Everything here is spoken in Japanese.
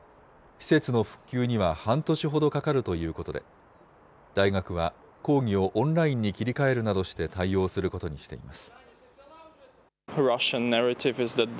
施設の復旧には半年ほどかかるということで、大学は講義をオンラインに切り替えるなどして対応することにしています。